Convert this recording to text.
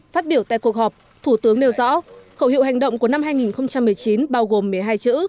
phát biểu tại cuộc họp thủ tướng nêu rõ khẩu hiệu hành động của năm hai nghìn một mươi chín bao gồm một mươi hai chữ